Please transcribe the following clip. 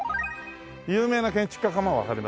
有名な建築家かもわかりませんね。